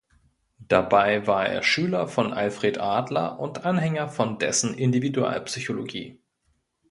Dabei war er Schüler von Alfred Adler und Anhänger von dessen Individualpsychologie.